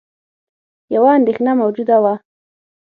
یوه اندېښنه موجوده وه